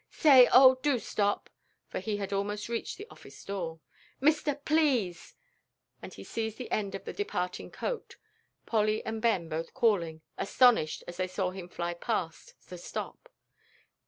"Say, oh, do stop!" for he had almost reached the office door. "Mister, please," and he seized the end of the departing coat, Polly and Ben both calling, astonished as they saw him fly past, to stop.